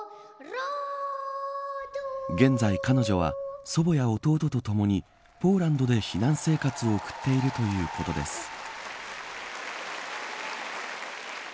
現在、彼女は祖母や弟とともにポーランドで避難生活を送っているということです。